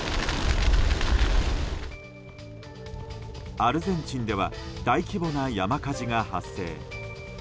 アルゼンチンでは大規模な山火事が発生。